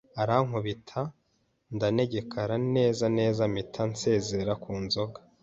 arankubita ndanegekara neza neza, mpita nsezera ku nzoga